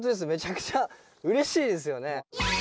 めちゃくちゃうれしいですよね。